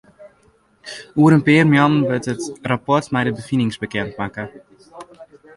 Oer in pear moannen wurdt it rapport mei de befinings bekend makke.